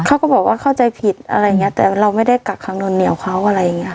เขาก็บอกว่าเข้าใจผิดอะไรอย่างเงี้ยแต่เราไม่ได้กักขังนนเหนียวเขาอะไรอย่างเงี้